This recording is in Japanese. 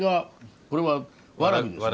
これはわらびですね。